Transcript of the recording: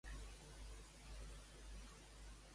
Quantes persones creu que seran, la Iolanda?